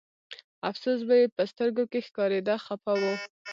افسوس به یې په سترګو کې ښکارېده خپه و.